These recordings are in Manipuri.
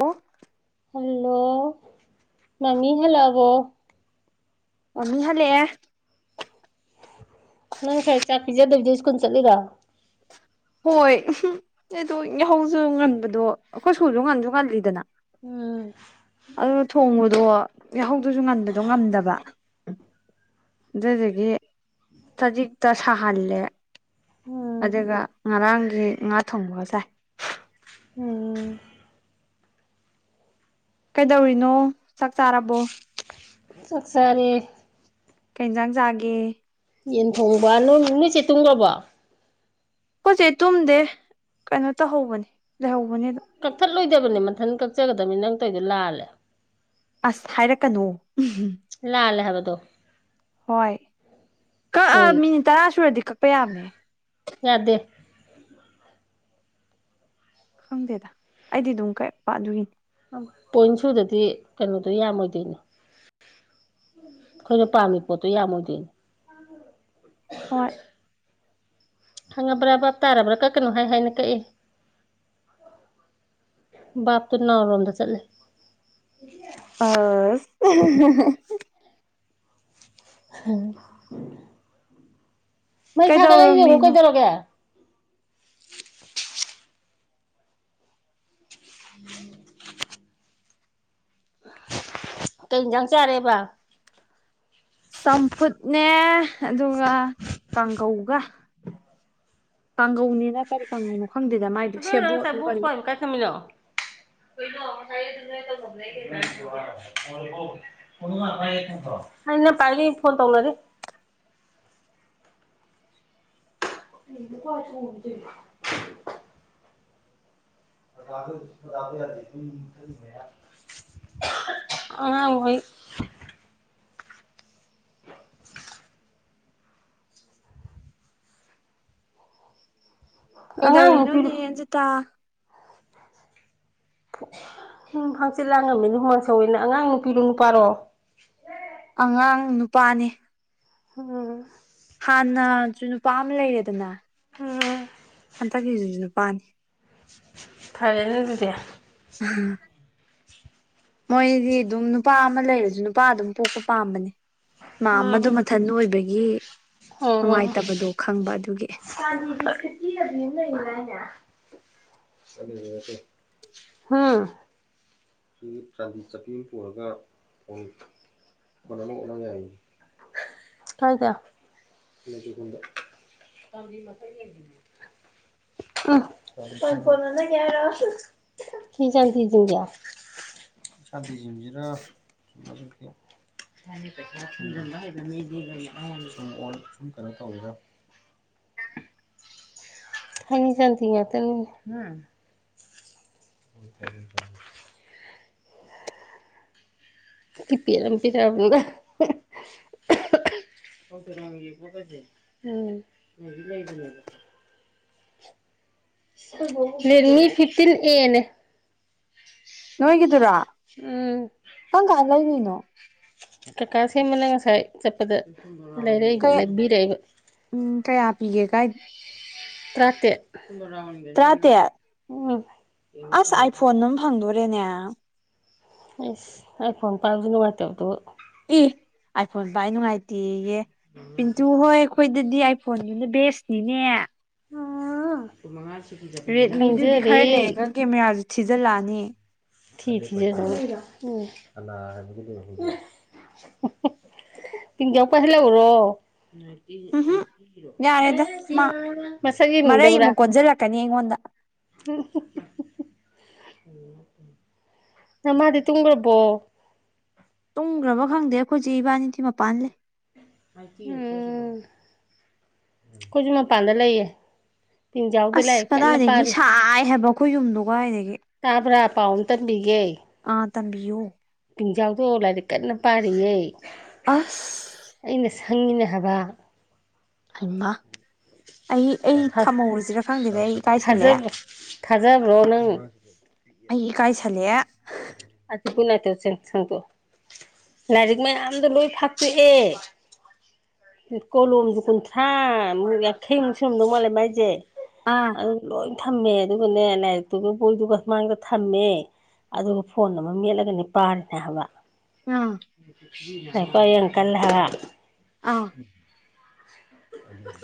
ꯑꯣꯣ ꯍꯜꯂꯣ ꯃꯃꯤ ꯍꯜꯂꯣꯕꯣ ꯑꯝꯃꯤ ꯍꯂꯦ ꯑꯦ ꯅꯪ ꯈꯔ ꯆꯥꯛ ꯄꯤꯖꯗꯕꯤꯗ ꯁ꯭ꯀꯨꯜ ꯆꯠꯂꯤꯔꯣ ꯍꯣꯏꯗ ꯌꯥꯍꯧꯁꯨ ꯉꯟꯕꯗꯣ ꯑꯩꯈꯣꯏ ꯁꯨꯜꯁꯨ ꯉꯟꯁꯨ ꯉꯜꯂꯤꯗꯅ ꯎꯝ ꯑꯗꯨ ꯊꯣꯡꯕꯗꯣ ꯌꯥꯍꯧꯗꯁꯨ ꯉꯟꯕꯗꯣ ꯉꯝꯗꯕ ꯑꯗꯨꯗꯨꯒꯤ ꯁꯖꯤꯛꯇꯣ ꯁꯥꯍꯜꯂꯦ ꯎꯝ ꯑꯗꯨꯒ ꯉꯔꯥꯡꯒꯤ ꯉꯥ ꯊꯣꯡꯕꯁꯦ ꯎꯝ ꯀꯩꯗꯧꯔꯤꯅꯣ ꯆꯥꯛ ꯆꯥꯔꯕꯣ ꯁꯛꯁꯔꯦ ꯀꯩ ꯌꯦꯟꯖꯥꯡ ꯆꯥꯒꯦ ꯌꯦꯟ ꯊꯣꯡꯕ ꯅꯣꯏ ꯂꯣꯏ ꯆꯦ ꯇꯨꯡꯉꯕꯣ ꯑꯩꯈꯣꯢ ꯆꯦ ꯇꯨꯝꯗꯦ ꯀꯩꯅꯣ ꯇꯧꯍꯧꯕꯅꯤ ꯂꯩꯍꯧꯕꯅꯤ ꯑꯗꯨꯝ ꯀꯛꯊꯠꯂꯣꯏꯗꯕꯅꯤ ꯃꯊꯟ ꯀꯛꯆꯒꯗꯕꯅꯤ ꯅꯪ ꯇꯧꯗꯣ ꯂꯥꯜꯂꯦ ꯑꯁ ꯍꯥꯏꯔꯛꯀꯅꯨ ꯎ ꯂꯥꯜꯂꯦ ꯍꯥꯏꯕ ꯑꯗꯣ ꯍꯣꯏ ꯀꯛꯑ ꯍꯣꯏ ꯃꯤꯅꯤꯠ ꯇꯔꯥ ꯁꯨꯔꯗꯤ ꯀꯛꯄ ꯌꯥꯕꯅꯦ ꯌꯥꯗꯦ ꯈꯪꯗꯦꯗ ꯑꯩꯗꯤ ꯑꯗꯨꯝ ꯀ ꯄꯥꯗꯣꯏꯒꯤꯅꯤ ꯄꯣꯏꯟ ꯁꯨꯗꯗꯤ ꯀꯩꯅꯣꯗꯣ ꯌꯥꯝꯃꯣꯏꯗꯣꯏꯅꯦ ꯑꯩꯈꯣꯏꯅ ꯄꯥꯝꯃꯤ ꯄꯣꯠꯇꯣ ꯌꯥꯝꯃꯣꯏꯗꯣꯏꯅꯦ ꯍꯣꯏ ꯈꯪꯉꯕ꯭ꯔꯥ ꯚꯞ ꯇꯥꯔꯕ꯭ꯔꯥ ꯀꯛ ꯀꯅꯣ ꯍꯥꯏꯅ ꯀꯛꯏꯦ ꯕꯥꯞꯇꯨ ꯅꯥꯎꯔꯣꯝꯗ ꯆꯠꯂꯦ ꯑ ꯍꯪ ꯃꯩ ꯁꯥꯒꯠ ꯂꯩ ꯌꯦꯉꯨ ꯀꯩꯗꯧꯔꯝꯃꯤꯅꯣ ꯀꯩꯗꯧꯔꯒꯦ ꯎꯝ [unintelligible] ꯀꯩ ꯌꯦꯟꯖꯥꯡ ꯆꯥꯔꯦꯕ ꯆꯝꯐꯨꯠꯅꯦ ꯑꯗꯨꯒ ꯀꯥꯡꯉꯧꯒ ꯀꯥꯡꯒꯧꯅꯤꯅ ꯀꯔꯤ ꯀꯥꯡꯒꯧꯅꯣ ꯈꯪꯗꯦꯗ ꯃꯥꯏꯗꯨ ꯁꯦꯕꯣꯠꯂꯣ ꯀꯔꯤ ꯀ ꯀꯥꯏ ꯈꯃꯤꯅꯣ [unintelligible] ꯐꫭꯟꯗꯣ ꯀꯟꯅꯥ ꯄꯥꯏꯒ꯭ꯔꯦ ꯈꯪꯕ꯭ꯔꫭ ꯑꯩꯅ ꯄꯥꯏꯔꯤ ꯐꯣꯟ ꯇꯧꯅꯔꯤ ꯀꯁꯨ ꯐꯗ [unintelligible] ꯑ ꯋꯥꯣꯏ [unintelligible] ꯑꯉꯥꯡ ꯅꯨꯄꯤꯔꯣ ꯀꯩꯗꯧꯔꯤꯅꯣꯅꯦ ꯖꯤꯇꯥ ꯍꯥꯡꯆꯤꯠ ꯂꯥꯡꯉꯝꯃꯤ ꯑꯗꯨꯃꯥꯡꯁꯧꯋꯦꯅ ꯑꯉꯥꯡ ꯅꯨꯄꯤꯔꯣ ꯅꯨꯄꯥꯔꯣ ꯑꯉꯥꯡ ꯅꯨꯄꯥꯅꯦ ꯎꯝ ꯍꯥꯟꯅꯁꯨ ꯅꯨꯄꯥ ꯑꯃ ꯂꯩꯔꯦꯗꯅ ꯎꯝ ꯍꯟꯇꯛꯀꯤꯁꯤꯁꯨ ꯄꯥꯅꯤ ꯐꯔꯦꯅꯦ ꯑꯗꯨꯗꯤ ꯎꯝ ꯃꯣꯏꯗꯤ ꯑꯗꯨꯝ ꯅꯨꯄꯥ ꯑꯃ ꯂꯩꯔꯁꯨ ꯅꯨꯄꯥ ꯑꯗꯨꯝ ꯄꯣꯛꯄ ꯄꯥꯝꯕꯅꯦ ꯃꯥ ꯃꯗꯨ ꯃꯊꯟ ꯑꯣꯏꯕꯒꯤ ꯑꯣꯝ ꯅꯨꯡꯉꯥꯏꯇꯕꯗꯣ ꯈꯪꯕ ꯑꯗꯨꯒꯤ ꯀꯥ ꯅꯤ ꯒꯤꯚꯦꯠꯌ ꯄꯤꯕ ꯑꯃ ꯂꯩꯗꯥꯏꯅꯦ ꯍꯥ ꯁꯤ ꯆꯥꯟꯗꯤ ꯆꯠꯄꯤ ꯑꯃ ꯄꯨꯔꯒ ꯑꯣꯏ ꯀꯥꯏꯗ ꯂꯩꯗ [inaudible] ꯎ ꯊ ꯆ ꯊꯁꯤꯡꯒ [unintelligible] [unintelligible] ꯁꯥꯇꯤꯁꯤꯡꯁꯤꯔ ꯩꯁꯥꯨꯝꯟ ꯃꯤꯗꯤ ꯁꯨꯝ ꯁꯨꯝ ꯀꯩꯅꯣ ꯇꯧꯋꯔ ꯍꯥꯏ ꯆꯗꯤ ꯇꯅꯤ ꯎ ꯇꯄꯤꯤ ꯂꯝ ꯄꯤꯔꯕꯗ [unintelligible] [unintelligible] ꯐꯤꯅꯤ ꯐꯤꯞꯇꯤꯟ ꯑꯦꯅꯦ ꯅꯣꯏꯒꯤꯗꯨꯔꯥ ꯎꯝ ꯂꯩꯉꯅꯣ ꯀꯀꯥ ꯁꯦꯝꯕꯅ ꯉꯁꯥꯏ ꯆꯠꯄꯗ ꯂꯩꯔꯛꯏꯕ ꯀꯩ ꯂꯩꯕꯤꯔꯛꯏꯕ ꯎꯝ ꯀꯌꯥ ꯄꯤꯒꯦ ꯀꯥꯏ ꯇꯔꯥ ꯇꯔꯥꯇꯦꯠ ꯇꯔꯦꯠ ꯎꯟ ꯍꯪꯗꯣꯔꯦꯅꯦ ꯑꯁ ꯑꯩꯥ ꯐꯣꯟ ꯄꯥꯏꯕꯁꯨ ꯅꯨꯡꯉꯥꯏꯇꯕꯗꯨꯕꯨ ꯑꯦ ꯑꯥꯏꯐꯣꯟ ꯑꯩ ꯅꯨꯡꯉꯥꯏꯇꯦꯌꯦ ꯄꯤꯟꯇꯨ ꯍꯣꯏ ꯑꯩꯈꯣꯏꯗꯗꯤ ꯑꯥꯏꯐꯣꯟꯅꯤꯅꯥ ꯕꯦꯁꯅꯤꯅꯦ ꯀꯨꯟ ꯃꯉꯥ ꯁꯤꯀꯤ ꯆꯠꯄꯖꯤꯅ ꯈꯪꯖꯥꯔꯦ ꯀꯦꯃꯦꯔꯥꯁꯨꯦ ꯊꯤꯖꯤꯜꯂꯛꯑꯅꯤ ꯊ ꯎꯝ ꯄꯤꯡꯖꯥꯎ ꯄꯨꯍꯟꯂꯛꯎꯔꯣ ꯎꯝꯍꯨꯝ ꯌꯥꯔꯦꯗ ꯃꯥ ꯃꯁꯛ ꯃꯔꯩ ꯌꯦꯡꯅꯤꯡꯗꯕ꯭ꯔꯥ ꯑꯃꯨꯛ ꯀꯣꯟꯁꯤꯜꯂꯛꯀꯅꯤ ꯑꯩꯉꯣꯟꯗ ꯑ ꯍꯝ ꯍꯝ ꯎꯝ ꯅ ꯃꯥꯗꯤ ꯇꯨꯡꯈ꯭ꯔꯕꯣ ꯇꯨꯡꯈ꯭ꯔꯕ ꯈꯪꯗꯦ ꯑꯩꯈꯣꯏꯆꯦ ꯏꯕꯥꯅꯤꯗꯤ ꯃꯄꯥꯟ ꯂꯩ ꯎꯝ ꯑꯩꯈꯣꯏꯁꯨ ꯃꯄꯥꯟꯗ ꯂꯩꯌꯦ ꯄꯤꯡꯖꯥꯎꯗꯣ ꯑꯁ ꯂꯥꯏꯔꯤꯛ ꯀꯟꯅ ꯀꯗꯥꯏꯗꯒꯤ ꯄꯥꯔꯤ ꯁꯥꯏ ꯍꯥꯏꯕ ꯑꯩꯈꯣꯏ ꯌꯨꯝꯗꯣ ꯀꯗꯥꯏꯗꯒꯤ ꯇꯥꯕ꯭ꯔꯥ ꯄꯥꯎ ꯑꯃ ꯇꯝꯕꯤꯒꯦ ꯑꯥ ꯇꯝꯕꯤꯌꯨ ꯄꯤꯡꯖꯥꯎꯗꯣ ꯂꯥꯏꯔꯤꯛ ꯀꯟꯅ ꯄꯥꯔꯤꯌꯦ ꯑꯁ ꯑꯩꯅ ꯁꯪꯉꯤꯅꯦ ꯍꯥꯏꯕ ꯍꯃꯥ ꯑꯩ ꯑꯩ ꯊꯝꯍꯧꯔꯁꯤꯔ ꯈꯪꯗꯦꯗ ꯑꯩ ꯏꯀꯥꯏꯁꯜꯂꯛꯑꯦ ꯊꯥꯖꯕ ꯊꯥꯖꯕ꯭ꯔꯣ ꯅꯪ ꯑꯩ ꯏꯀꯥꯏꯁꯜꯂꯛꯑꯦ ꯑꯗꯨ ꯒꯨꯠꯅꯥꯏꯠꯇꫭ ꯁꯪꯇꫭꯛꯑꯣ ꯂꯥꯏꯔꯤꯛ ꯃꯌꯥꯝꯗꯣ ꯂꯣꯏ ꯐꯥꯛꯇꯣꯛꯑꯦ ꯀꯣꯂꯣꯖꯦ ꯀꯨꯟꯊ꯭ꯔꯥ ꯃꯨꯛ ꯌꯥꯡꯈꯩꯃꯨꯛ ꯁꯨꯔꯝꯗꯧ ꯃꯥꯂꯦ ꯃꯥꯏꯁꯦ ꯑꯥ ꯑꯗꯨ ꯂꯣꯏ ꯊꯝꯃꯦ ꯑꯗꯨꯒꯅꯦ ꯂꯥꯏꯔꯤꯛꯇꯨꯒ ꯕꯣꯏꯗꯨꯒ ꯃꯥꯡꯗ ꯊꯝꯃꯦ ꯑꯗꯨꯒ ꯐꯣꯟ ꯑꯃ ꯃꯦꯠꯂꯒꯅꯤ ꯄꯥꯔꯤꯅꯦ ꯍꯥꯏꯕ ꯑꯥ ꯂꯥꯏꯔꯤꯛ ꯄꯥ ꯌꯥꯝ ꯀꯜꯂꯦ ꯍꯥꯏꯕ ꯑꯥ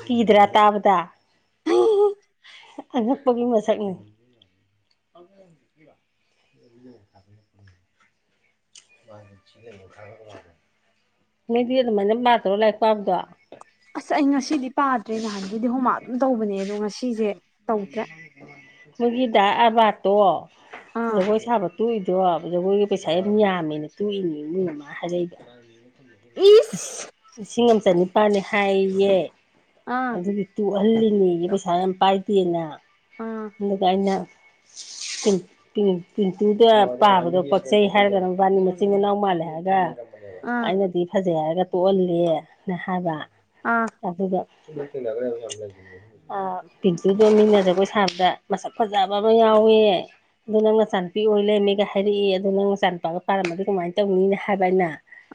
ꯀꯤꯗ꯭ꯔꯥ ꯇꯥꯕꯗ ꯑꯉꯛꯄꯒꯤ ꯃꯥꯁꯛꯅꯦ [inaudible] [unintelligible] ꯃꯤꯗꯤ ꯑꯗꯨꯃꯥꯏꯅ ꯃ꯭ꯥꯔꯛ ꯇꯧꯔꯒ ꯂꯥꯏꯔꯤꯛ ꯄꯥꯕꯗꯣ ꯑꯁ ꯑꯩ ꯉꯁꯤꯗꯤ ꯄꯥꯗ꯭ꯔꯦ ꯅꯍꯥꯟꯒꯩꯗꯤ ꯍꯣꯃꯥꯛ ꯑꯗꯨꯝ ꯇꯧꯕꯅꯦ ꯑꯗꯣ ꯉꯁꯤꯁꯦ ꯇꯧꯗ꯭ꯔꯦ ꯃꯣꯏꯒꯤ ꯗꯥ ꯑꯥꯔꯕꯥꯠꯇꯣ ꯑꯥ ꯖꯒꯣꯏ ꯁꯥꯕ ꯇꯣꯛꯏꯗꯣ ꯖꯒꯣꯏꯒꯤ ꯄꯩꯁꯥ ꯌꯥꯝ ꯌꯥꯝꯃꯦꯅ ꯇꯣꯛꯏꯅꯦ ꯑꯗꯨꯅ ꯃꯣꯏ ꯃꯥꯃꯥ ꯍꯥꯏꯔꯛꯏꯕ ꯏꯁ ꯂꯤꯁꯤꯡ ꯑꯃ ꯆꯅꯤꯄꯥꯜꯅꯤ ꯍꯥꯏꯌꯦꯌꯦ ꯑꯥ ꯑꯗꯨꯒꯤ ꯇꯣꯛꯍꯜꯂꯤꯅꯦꯌꯦ ꯄꯩꯁꯥ ꯌꯥꯝ ꯄꯥꯏꯗꯦꯅ ꯑꯥ ꯑꯗꯨꯒ ꯑꯩꯅ [unintelligible] ꯄꯤꯟꯇꯨꯗ ꯄꯥꯕꯗꯣ ꯄꯛꯆꯩ ꯍꯥꯏꯔꯒꯅ ꯃꯕꯥꯅꯤ ꯃꯆꯤꯟ ꯃꯅꯥꯎ ꯃꯥꯜꯂꯦ ꯍꯥꯏꯔꯒ ꯑꯥ ꯑꯩꯅꯗꯤ ꯐꯖꯩ ꯍꯥꯏꯔꯒ ꯇꯣꯛꯍꯜꯂꯦꯅ ꯍꯥꯏꯕ ꯑꯥ ꯑꯗꯨꯒ ꯑꯥ ꯄꯤꯡꯆꯤꯗꯨ ꯃꯤꯅꯥ ꯖꯥꯒꯣꯏ ꯁꯥꯕꯗ ꯃꯁꯛ ꯐꯖꯕ ꯑꯃ ꯌꯥꯎꯋꯦ ꯑꯗꯨ ꯅꯪ ꯅꯆꯥꯅꯨꯄꯤ ꯑꯣꯏ ꯂꯩꯔꯃꯦꯒ ꯍꯥꯏꯔꯛꯏ ꯑꯗꯨꯗꯣ ꯅꯪ ꯃꯆꯥꯅꯨꯄꯥꯒ ꯄꯥꯔꯝꯃꯗꯤ ꯀꯃꯥꯏꯅ ꯇꯧꯅꯤꯅ ꯍꯥꯏꯕ ꯑꯩꯅ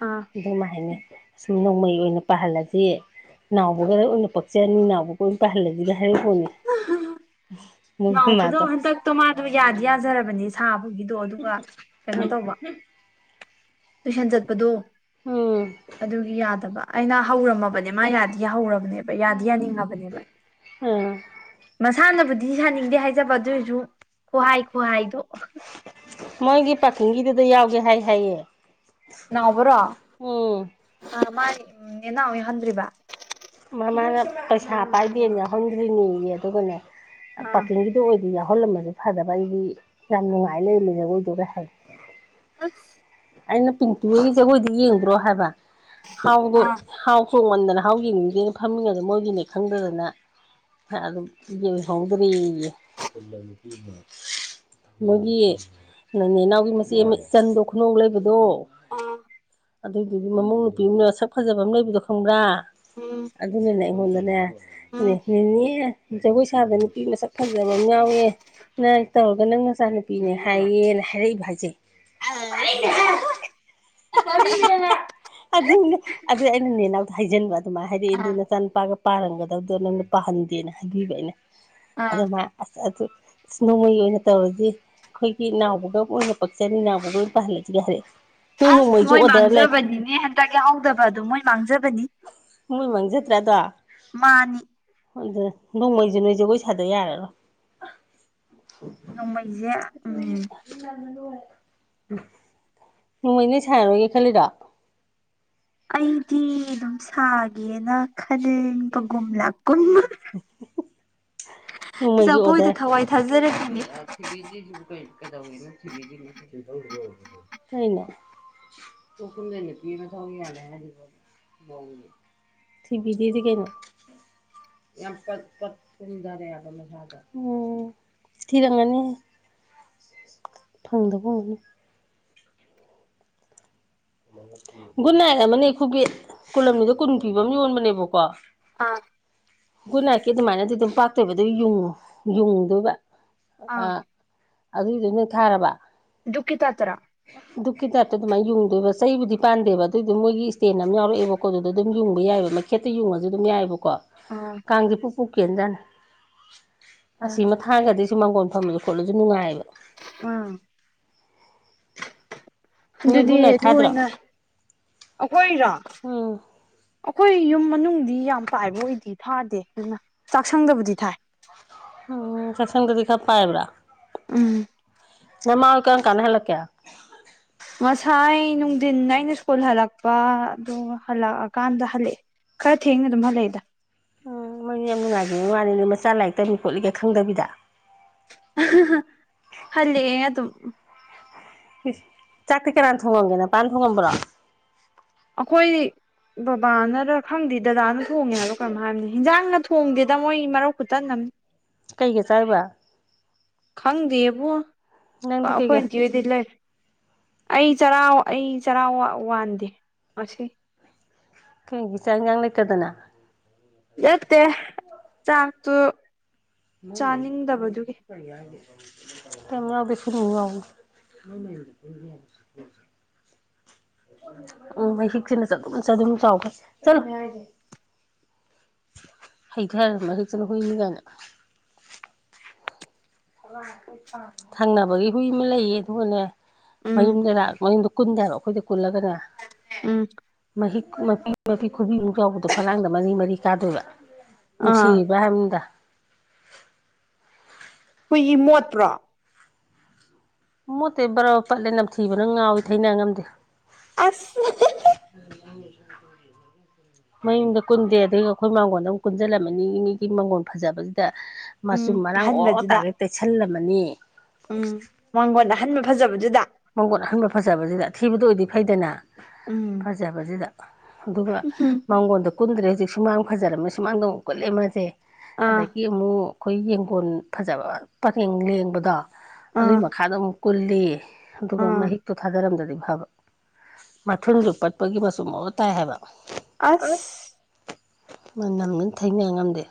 ꯑꯥ ꯑꯗꯨ ꯍꯥꯏꯅ ꯁꯨꯝ ꯅꯣꯡꯃꯩ ꯑꯣꯏꯅ ꯄꯥꯍꯜꯂꯖꯤ ꯅꯥꯎꯕꯒꯔꯥ ꯑꯣꯏꯅ ꯄꯛꯆꯥꯅꯤ ꯅꯥꯎꯕꯒ ꯑꯣꯏꯅ ꯄꯥꯏꯍꯜꯂꯖꯤꯒ ꯍꯥꯏꯔꯤꯄꯣꯠꯅꯤ ꯅꯥꯎꯕꯗꯣ ꯍꯟꯗꯛꯇꯣ ꯃꯥꯗꯣ ꯌꯥꯗꯤ ꯌꯥꯖꯔꯕꯅꯤ ꯁꯥꯕꯒꯤꯗꯣ ꯑꯗꯨꯒ ꯀꯩꯅꯣ ꯇꯧꯕ ꯇꯨꯏꯁꯟ ꯆꯠꯄꯗꯣ ꯎꯝ ꯑꯗꯨꯒꯤ ꯌꯥꯗꯕ ꯑꯩꯅ ꯍꯧꯔꯝꯃꯕꯅꯦ ꯃꯥ ꯌꯥꯗꯤ ꯌꯥ ꯍꯧꯔꯝꯕꯅꯦꯕ ꯌꯥꯗꯤ ꯌꯥꯅꯤꯡꯉꯕꯅꯦꯕ ꯑꯥ ꯃꯁꯥꯅꯕꯨꯗꯤ ꯁꯥꯅꯤꯡꯗꯦ ꯍꯥꯏꯖꯕ ꯑꯗꫭꯏꯖꯨ ꯈꯨꯍꯥꯏ ꯈꯨꯍꯥꯏꯗꯣ ꯃꯣꯏꯒꯤ ꯄꯥꯀꯤꯡꯒꯤꯗꯨꯗ ꯌꯥꯎꯒꯦ ꯍꯥꯏ ꯍꯥꯏꯌꯦ ꯅꯥꯎꯕꯥꯔꯣ ꯎꯝ ꯃꯥꯒꯤ ꯅꯦꯅꯥꯎꯕꯤ ꯍꯟꯗ꯭ꯔꯤꯕ ꯃꯃꯥꯅ ꯄꯩꯁꯥ ꯄꯥꯏꯗꯦꯅ ꯌꯥꯎꯍꯟꯗ꯭ꯔꯤꯅꯤꯌꯦ ꯑꯗꯨꯒꯅꯦ ꯑꯥ ꯄꯥꯀꯤꯡꯒꯤ ꯑꯗꯨ ꯑꯣꯏꯗꯤ ꯌꯥꯎꯍꯜꯂꯝꯃꯁꯨ ꯐꯗꯕ ꯑꯩꯗꯤ ꯌꯥꯝ ꯅꯨꯡꯉꯥꯏ ꯂꯩꯔꯝꯃꯦ ꯖꯒꫭꯏꯗꯨꯒ ꯍꯥꯏ ꯑꯁ ꯑꯩꯅ ꯄꯤꯡꯇꯨ ꯍꯣꯏꯒꯤ ꯖꯒꯣꯏꯗꯤ ꯌꯦꯡꯗ꯭ꯔꯣ ꯍꯥꯏꯕ ꯍꯥꯎꯕ ꯑꯥ ꯍꯥꯎ ꯆꫭꯡꯃꯟꯗꯅ ꯍꯥꯎꯌꯦꯡꯅꯤꯡꯗꯦꯅ ꯐꯝꯃꯤꯉꯩꯗ ꯃꯣꯏꯒꯤꯅꯦ ꯈꯪꯗꯗꯅ ꯑꯗꯨꯝ ꯌꯦꯍꯧꯗ꯭ꯔꯦꯌꯦ ꯃꯣꯏꯒꯤ ꯅꯦꯅꯥꯎꯒꯤ ꯃꯆꯦ ꯑꯃ ꯏꯆꯟꯗꫭ ꯈꯨꯅꯧ ꯂꯩꯕꯗꯣ ꯑꯥ ꯑꯗꯨꯗꯨꯒꯤ ꯃꯃꯧ ꯅꯨꯄꯤ ꯃꯁꯛ ꯐꯖꯕꯤ ꯑꯃ ꯂꯩꯕꯗꯣ ꯈꯪꯕ꯭ꯔꯥ ꯎꯝ ꯑꯗꯨꯅꯅꯦ ꯑꯩꯉꯣꯟꯗ ꯎꯝ ꯅꯦꯅꯦ ꯖꯥꯒꯣꯏ ꯁꯥꯒꯥꯅꯨ ꯅꯨꯄꯤ ꯃꯁꯛ ꯐꯖꯕ ꯑꯃ ꯌꯥꯎꯋꯦ ꯅ ꯇꯧꯔꯒ ꯅꯪ ꯃꯆꯥꯅꯨꯄꯤꯅꯦ ꯍꯥꯏꯌꯦꯅ ꯍꯥꯏꯔꯛꯏꯕ ꯍꯥꯏꯁꯦ ꯑꯥ ꯇꯥꯅꯤꯡꯗꯦꯍꯦ ꯑꯗꯨꯅꯦ ꯑꯗꯨ ꯑꯩꯅ ꯅꯦꯅꯥꯎꯗ ꯍꯥꯏꯖꯤꯟꯕ ꯑꯗꯨꯃꯥꯏ ꯍꯥꯏꯔꯛꯏ ꯑꯥ ꯑꯗꯨꯒ ꯅꯆꯥ ꯅꯨꯨꯄꯥꯒ ꯄꯥꯍꯟꯒꯗꯕꯗꯣ ꯅꯪꯅ ꯄꯥꯍꯟꯗꯦꯅ ꯍꯥꯏꯕꯤꯕ ꯑꯩꯅ ꯑꯗꯣ ꯑꯥ ꯃꯥ ꯑꯁ ꯑꯗꯨ ꯑꯁ ꯅꯣꯡꯃꯩ ꯑꯣꯏꯅ ꯇꯧꯔꯗꯤ ꯑꯩꯈꯣꯏꯒꯤ ꯅꯥꯎꯕꯒ ꯑꯣꯏꯅ ꯄꯛꯆꯅꯤ ꯏꯅꯥꯎꯕꯒ ꯑꯣꯏꯅ ꯄꯍꯜꯂꯖꯤꯒ ꯍꯥꯏꯔꯦ ꯅꯣꯏ ꯅꯣꯡꯃꯩꯁꯨ ꯑꯣꯔꯗꯔ ꯂꯩ ꯅꯤꯅꯦ ꯆꯥꯛ ꯌꯥꯎꯍꯧꯗꯕ ꯑꯗꯨ ꯃꯣꯏ ꯃꯥꯡꯖꯕꯅꯤ ꯃꯣꯏ ꯃꯥꯡꯖꯗ꯭ꯥꯔ ꯑꯗꯣ ꯃꯥꯅꯤ ꯍꯣꯏꯗ ꯅꯣꯡꯃꯩꯁꯨ ꯅꯣꯏꯁꯦ ꯖꯒꯣꯏ ꯁꯥꯗ ꯌꯥꯔꯔꯣꯏ ꯑꯗꯨ ꯅꯣꯡꯃꯩꯁꯦ ꯎꯝ [unintelligible] [unintelligible] ꯅꯣꯡꯃꯩꯅꯦ ꯁꯥꯏꯔꯔꯣꯏꯒꯦ ꯈꯜꯂꯤꯗꯣ ꯑꯩꯗꯤ ꯑꯗꯨꯝ ꯁꯥꯒꯦꯅ ꯈꯟꯕꯒꯨꯝꯂꯥꯛꯀꯨꯝ ꯅꫭꯡꯃꯩꯒꯤ ꯖꯒꯣꯏꯗ ꯑꯣꯗꯔ [unintelligible] ꯊꯋꯥꯏ [unintelligible] ꯊꯥꯖꯔꯛꯈꯤꯅꯦ ꯀꯩꯅꯣ [unintelligible] ꯅꯨꯄꯤꯑꯃ ꯊꯧꯔꯤ ꯌꯥꯜꯂꯦ ꯍꯥꯏꯗꯨꯕꫭ ꯃꯧꯅꯦ ꯊꯤꯕꯤꯒꯤꯗꯤ ꯀꯩꯅꯣ ꯌꯥꯝ [unintelligible] ꯎꯝ ꯊꯤꯔꯝꯒꯅꯤ [unintelligible] ꯐꯪꯗꯕ ꯑꯣꯏꯔꯝꯅꯤ ꯒꯨꯠ ꯅꯥꯏꯠ ꯑꯃꯅꯦ ꯑꯩꯈꯣꯏꯒꯤ ꯀꯨꯂꯝꯃꯤꯗ ꯀꯨꯟ ꯄꯤꯕ ꯑꯃ ꯌꯣꯟꯕꯅꯦꯕꯀꯣ ꯑꯥ ꯒꯨꯗ ꯅꯥꯏꯠꯀꯤ ꯑꯗꯨꯃꯥꯏꯅꯗꯤ ꯑꯗꯨꯝ ꯄꯥꯛꯇꯣꯏꯕ ꯑꯗꯨꯨꯒ ꯌꯨꯡꯉꯨ ꯌꯨꯡꯗꯣꯏꯕ ꯑ ꯑꯥ ꯑꯗꯨꯏꯗꯨ ꯅꯣꯏ ꯊꯥꯔꯕ ꯗꯨꯛꯀꯤ ꯇꯥꯏꯞꯇꯔꫭ ꯗꯨꯛꯀꯤ ꯇꯥꯏꯞꯇ ꯗꯨꯃꯥꯏ ꯌꯨꯡꯗꯨꯏꯕ ꯆꯩꯕꯨꯗꯤ ꯄꯥꯟꯗꯦꯕ ꯑꯗꯨꯏꯗꯣ ꯃꯣꯏꯒꯤ ꯏꯁꯇꯦꯟ ꯑꯃ ꯌꯥꯎꯔꯑꯦꯕꯀꯣ ꯑꯗꯨꯗ ꯑꯗꯨꯝ ꯌꯨꯡꯕ ꯌꯥꯏꯕ ꯃꯈꯦꯠꯇ ꯌꯨꯡꯉꯁꯨ ꯑꯗꯨꯝ ꯌꯥꯏꯌꯦꯕꯀꯣ ꯀꯣ ꯑꯥ ꯀꯥꯡꯖꯦ ꯄꯨꯞ ꯄꯨꯞ ꯀꯦꯟꯖꯥꯠꯅꯤ ꯑ ꯑꯁꯤꯃꯅ ꯊꯥꯡꯒꯗꯤꯁꯨ ꯃꯪꯒꯣꯟ ꯐꯝꯂꯁꯨ ꯈꯣꯠꯂꯁꯨ ꯅꯨꯡꯉꯥꯏꯌꯦꯕ ꯑꯝ ꯅꯣꯏ ꯑꯗꯨꯗꯤ ꯒꯨꯗ ꯅꯥꯏꯠ ꯑꯗꯨ ꯊꯥꯗ꯭ꯔꯣ ꯑꯣꯏꯅ ꯑꯩꯈꯣꯏꯔꯣ ꯎꯝ ꯑꯈꯣꯏ ꯌꯨꯝ ꯃꯅꯨꯡꯗꯤ ꯌꯥꯝ ꯄꯥꯏꯕ ꯑꯣꯏꯗꯤ ꯊꯥꯗꯦ ꯑꯗꯨꯅ ꯆꯥꯛꯁꯪꯗꯕꯨꯗꯤ ꯊꯥꯏ ꯎꯝ ꯆꯛꯁꯪꯗꯗꯤ ꯈꯔ ꯄꯥꯏꯕ꯭ꯔꯥ ꯎꯝ ꯅꯃꯥ ꯀꯔꯝꯀꯥꯟꯗ ꯍꯜꯂꯛꯀꯦ ꯉꯁꯥꯏ ꯅꯨꯡꯊꯤꯟ ꯑꯩꯅ ꯁ꯭ꯀꯨꯜ ꯍꯜꯂꯛꯄ ꯑꯗꯨ ꯍꯜꯂꯛꯑꯀꯥꯟꯗ ꯍꯜꯂꯛꯑꯦ ꯈꯥꯔ ꯊꯦꯡꯅꯥ ꯑꯗꯨꯝ ꯍꯜꯂꯛꯏꯗ ꯎꯝ ꯃꯣꯏ ꯌꯥꯝ ꯅꯨꯡꯉꯥꯏꯈꯤꯕ ꯋꯥꯅꯤꯅꯦ ꯃꯥꯆ ꯂꯥꯏꯔꯤꯛ ꯇꯝꯃꯤ ꯈꯣꯠꯂꯤꯒꯥ ꯈꯪꯗꯕꯤꯗ ꯍꯂꯛꯑꯦ ꯑꯗꯨꯝ ꯆꯥꯛꯇꯤ ꯀꯅꯥꯅ ꯊꯣꯡꯉꯝꯒꯦ ꯅꯥꯄꯥꯅ ꯊꯣꯡꯉꯝꯕ꯭ꯔꯣ ꯑꯈꯣꯏ ꯕꯥꯕꯥꯅꯔ ꯈꯪꯗꯦ ꯗꯥꯗꯥꯅ ꯊꯣꯡꯉꯦ ꯍꯥꯏꯕ ꯀꯩꯅꯣ ꯍꯥꯏꯕꯅꯤ ꯏꯟꯖꯥꯡꯑ ꯊꯣꯡꯗꯦꯗ ꯃꯣꯏ ꯃꯔꯧ ꯈꯨꯨꯇꯟ ꯑꯃꯅꯤ ꯀꯩꯒ ꯆꯥꯏꯕ ꯈꯪꯗꯦꯕꫭ ꯅꯪꯗꯤ ꯑꯩꯈꯣꯏ ꯀꯩꯒ ꯑꯟꯇꯤ ꯍꫭꯏꯗ ꯗꯤ ꯂꯩ ꯑꯩ ꯆꯔꯥ ꯑꯩ ꯆꯥꯔꯥ ꯋꯥꯟ ꯋꯥꯟꯗꯦ ꯉꯁꯤ ꯀꯩꯒꯤ ꯆꯥꯛ ꯏꯟꯖꯥꯡ ꯂꯩꯇꯥꯗꯅ ꯅꯠꯇꯦ ꯆꯥꯛꯇꯨ ꯆꯥꯅꯤꯡꯗꯕꯗꯨꯒꯤ [unintelligible] ꯌꯥꯎꯕꯅꯤ ꯎꯝ ꯃꯍꯤꯛꯁꯤꯅ ꯆꯗꯨꯝ ꯆꯗꯨꯝ ꯆꯥꯎꯈꯩ ꯆꯠꯂꯨ ꯍꯩꯊꯔꯃꯦ [unintelligible] ꯍꯨꯏꯅꯤ ꯀꯥꯏꯅ ꯊꯪꯅꯕꯒꯤ ꯍꯨꯏ ꯑꯃ ꯂꯩꯌꯦ ꯑꯗꯨꯒꯅꯦ ꯎꯝ ꯃꯌꯨꯝꯗ ꯂ ꯃꯌꯨꯝꯗ ꯀꯨꯟꯗꯦꯕ ꯑꯩꯈꯣꯏꯗ ꯀꯨꯜꯂꯒꯅꯦ ꯎꯝ ꯃꯍꯤꯛ ꯃꯄꯤ-ꯃꯄꯤ ꯈꯨꯕꯤꯃꯨꯛ ꯆꯥꯎꯕꯗꯣ ꯐꯂꯥꯡꯗ ꯃꯔꯤ-ꯃꯔꯤ ꯆꯥꯗꯣꯏꯕ ꯑꯥ ꯅꯨꯡꯁꯤꯔꯤꯕ ꯍꯥꯏꯕꯅꯤꯗ ꯍꯨꯏꯒꯤ ꯃꯣꯠꯄ꯭ꯔꯣ ꯃꯣꯠꯇꯦ ꯕꯥꯔꯥ ꯕꯥꯔꯥ ꯄꯠꯂꯦ ꯅꯝꯊꯤꯕꯅ ꯉꯥꯎꯋꯤ ꯊꯩꯅ ꯉꯝꯗꯦ ꯑꯁ [unintelligible] ꯃꯌꯨꯝꯗ ꯀꯨꯟꯗꯦ ꯑꯗꯒꯤ ꯑꯈꯣꯏ ꯃꯥꯡꯒꯣꯟꯗ ꯑꯃꯨꯛ ꯀꯨꯟꯖꯤꯟꯂꯝꯃꯅꯤ ꯃꯤꯒꯤ ꯃꯥꯡꯒꯣꯟ ꯐꯖꯕꯁꯤꯗ ꯎꯝ ꯃꯆꯨꯝ ꯃꯔꯥꯡ ꯑꯣꯔꯣ ꯑꯍꯟꯕꯗꯨꯗ ꯇꯥꯒꯩ ꯇꯩꯁꯜꯂꯝꯃꯅꯤ ꯎꯝ ꯃꯥꯡꯒꯣꯟ ꯑꯍꯟꯕ ꯐꯖꯕꯗꯨꯗ ꯃꯥꯡꯒꫭꯟ ꯑꯍꯟꯕ ꯐꯖꯕꯁꯤꯗ ꯑꯊꯤꯕꯗ ꯑꯣꯏꯗꯤ ꯐꯩꯗꯅ ꯎꯝ ꯐꯖꯕꯁꯤꯗ ꯑꯗꯨꯒ ꯎꯝ ꯃꯥꯡꯒꯣꯟꯗ ꯀꯨꯟꯗ꯭ꯔꯦ ꯍꯧꯖꯤꯛ ꯁꯨꯃꯥꯡ ꯐꯖꯔꯝꯅꯤꯅ ꯁꯨꯃꯥꯡꯗ ꯑꯃꯨꯛ ꯀꯨꯟꯂꯦ ꯃꯥꯖꯦ ꯑꯥ ꯑꯗꯒꯤ ꯑꯃꯨꯛ ꯑꯈꯣꯏ ꯌꯦꯡꯒꯣꯟ ꯐꯖꯥꯕ ꯄꯥꯔꯦꯡ ꯂꯦꯡꯕꯗꯣ ꯑꯗꯨꯏ ꯑꯥ ꯃꯈꯥꯗ ꯑꯃꯨꯛ ꯀꯨꯜꯂꯤ ꯑꯗꯨꯒ ꯑꯥ ꯃꯍꯤꯛꯇꯣ ꯊꯥꯗꯔꯝꯗ꯭ꯔꯗꯤ ꯐꯥꯕ ꯃꯊꯨꯟꯖꯤ ꯄꯠꯄꯒꯤ ꯃꯆꯨꯝ ꯑꯣ ꯇꯥꯏ ꯍꯥꯏꯕ ꯑꯁ ꯃꯥꯅꯝꯅ ꯊꯩꯅ ꯉꯝꯗꯦ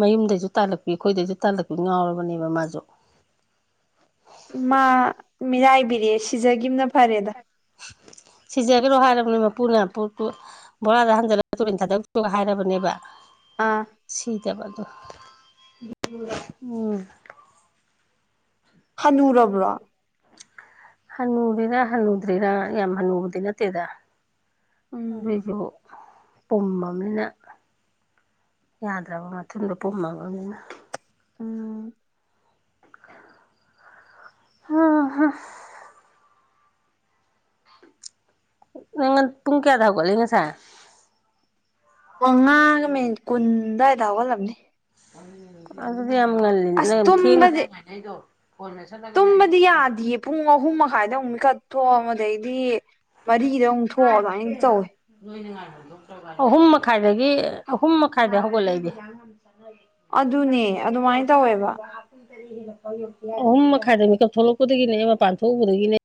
ꯃꯌꯨꯝꯗꯩꯖꯨ ꯇꯥꯜꯂꯛꯄꯤ ꯑꯩꯈꯣꯏꯗꯩꯖꯨ ꯇꯥꯜꯂꯛꯄꯤ ꯉꯥꯎꯔꯕꯅꯦꯕ ꯃꯥꯖꯨ ꯃꯥ ꯃꯤꯔꯥꯏꯕꯤꯔꯦ ꯁꯤꯖꯥꯒꯤꯕꯅ ꯐꯥꯔꯦꯗ ꯁꯤꯖꯒꯦꯔꯣ ꯍꯥꯏꯔꯕꯅꯦ ꯃꯄꯨꯅ ꯄꯨ ꯕꯣꯔꯥꯗ ꯍꯟꯖꯤꯜꯂꯒ ꯇꯨꯔꯦꯟ ꯊꯥꯗꯧꯆꯣꯒ ꯍꯥꯏꯔꯕꯅꯦꯕ ꯑꯥ ꯁꯤꯗꯕꯗꯣ ꯎꯝ ꯍꯥꯅꯨꯔꯥꯕ꯭ꯔꯣ ꯍꯟꯅꯨꯔꯤꯔꯥ ꯍꯟꯅꯨꯗ꯭ꯔꯤꯔꯥ ꯌꯥꯝ ꯍꯟꯅꯨꯕꯗꯤ ꯅꯠꯇꯦꯗ ꯎꯝ ꯑꯗꯩꯖꯨ ꯄꯨꯝꯃꯥꯕꯅꯤꯅ ꯌꯥꯗ꯭ꯔꯥꯕ ꯃꯊꯨꯡꯗ ꯄꯨꯝꯃꯥꯕꯅꯤꯅ ꯎꯝ ꯍ ꯍ ꯉꯟ ꯄꯨꯡ ꯀꯌꯥꯗ ꯍꯧꯒꯠꯂꯤ ꯉꯁꯥꯏ ꯃꯉꯥꯒ ꯃꯤꯅꯤꯠ ꯀꯨꯟ ꯑꯗꯥꯏꯗ ꯍꯧꯒꯠꯂꯝꯅꯤ ꯑꯗꯨꯗꯤ ꯌꯥꯝ ꯉꯜꯂꯤ ꯑꯁ ꯂꯦꯝ ꯊꯦꯡꯅ ꯇꯨꯝꯕꯗꯤ ꯇꯨꯝꯕꯗꯤ ꯌꯥꯗꯤꯌꯦ ꯄꯨꯡ ꯑꯍꯨꯝ ꯃꯈꯥꯏꯗ ꯑꯃꯨꯛ ꯃꯤꯀꯞ ꯊꯣꯛ ꯑꯗꯩꯗꯤ ꯃꯔꯤꯒꯤꯗ ꯑꯃꯨꯛ ꯊꯣꯛꯑꯒ ꯑꯗꯨꯃꯥꯏꯅ ꯇꯧꯋꯦ ꯑꯍꯨꯝ ꯃꯈꯥꯏꯗꯒꯤ ꯑꯍꯨꯝ ꯃꯈꯥꯏꯗ ꯍꯧꯒꯠꯂꯛꯏꯗꯤ ꯑꯗꯨꯅꯦ ꯑꯗꯨꯃꯥꯏꯅ ꯇꯧꯋꯦꯕ ꯑꯍꯨꯝ ꯃꯈꯥꯏꯗ ꯃꯦꯀꯞ ꯊꯣꯛꯂꯛꯄꯗꯒꯤꯅꯦ ꯃꯄꯥꯟ ꯊꯣꯛꯎꯕꯗꯒꯤꯅꯦ